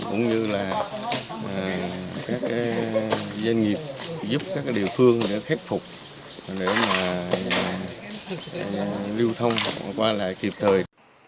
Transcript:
cũng như các doanh nghiệp giúp các địa phương khắc phục để lưu thông qua lại kịp thời